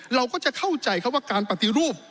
เราก็จะเข้าใจครับว่าการปฏิรูป